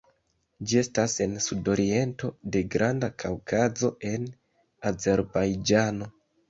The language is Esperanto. Ĝi estas en sudoriento de Granda Kaŭkazo en Azerbajĝano.